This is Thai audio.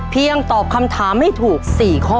เพียงตอบคำถามให้คุณได้